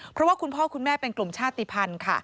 เพราะว่าคุณพ่อคุณแม่เป็นกลุ่มชาติภัณฑ์ค่ะ